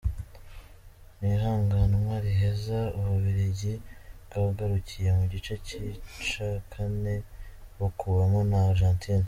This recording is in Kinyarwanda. Mw'ihiganwa riheze, Ububiligi bwagarukiye mu gice c'ica kane bukuwemwo na Argentine.